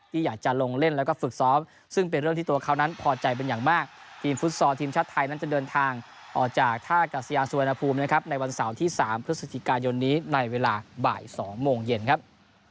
ที่อยากจะลงเล่นแล้วก็ฝึกซ้อมซึ่งเป็นเรื่องที่ตัวเขานั้นพอใจเป็นอย่างมากทีมฟุตซอลทีมชาติไทยนั้นจะเดินทางออกจากท่ากัศยานสุวรรณภูมินะครับในวันเสาร์ที่๓พฤศจิกายนนี้ในเวลาบ่าย๒โมงเย็นครับ